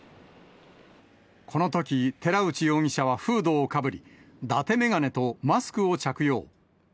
この時、寺内容疑者はフードをかぶり、だて眼鏡とマスクを着用。